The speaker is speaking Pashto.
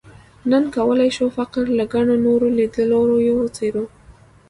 نن کولای شو فقر له ګڼو نورو لیدلوریو وڅېړو.